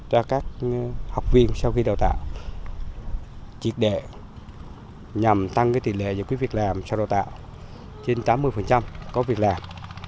cho các học viên sau khi đào tạo triệt đệ nhằm tăng tỷ lệ giải quyết việc làm sau đào tạo trên tám mươi có việc làm